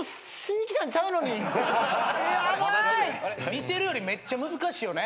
見てるよりめっちゃ難しいよね。